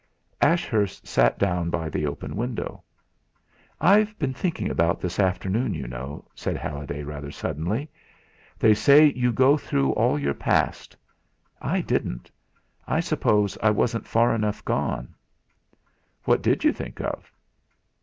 Ashurst sat down by the open window. "I've been thinking about this afternoon, you know," said Halliday rather suddenly. "They say you go through all your past. I didn't. I suppose I wasn't far enough gone." "What did you think of?"